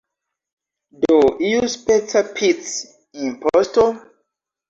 Do iuspeca pic-imposto?